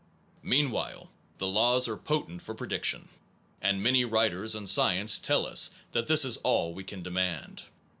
Meanwhile the laws are potent for prediction, and many writers on science tell us that this is all we can demand.